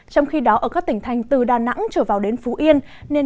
trong khi đó ở các tỉnh thành từ đà nẵng trở vào đến phú yên